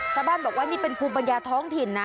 ชาวบ้านบอกว่านี่เป็นภูมิปัญญาท้องถิ่นนะ